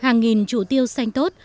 hàng nghìn trụ tiêu xanh tốt